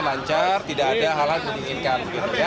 lancar tidak ada hal hal yang diinginkan